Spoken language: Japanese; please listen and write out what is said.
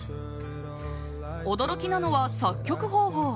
驚きなのは作曲方法。